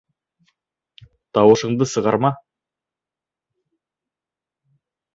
Тауышыңды сығарма!